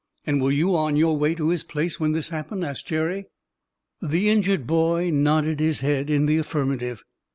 "And were you on your way to his place when this happened?" asked Jerry. The injured boy nodded his head in the affirmative.